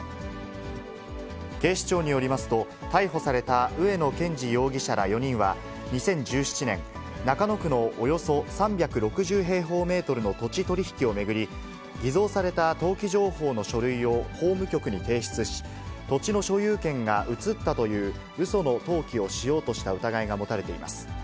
警視庁によりますと、逮捕された上野健二容疑者ら４人は、２０１７年、中野区のおよそ３６０平方メートルの土地取り引きを巡り、偽造された登記情報の書類を法務局に提出し、土地の所有権が移ったといううその登記をしようとした疑いが持たれています。